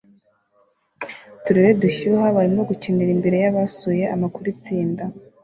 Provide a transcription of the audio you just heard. turere dushyuha barimo gukinira imbere yabasuye amakuru Itsinda